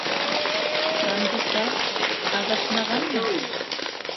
Тандыса... аҙашмағанмы?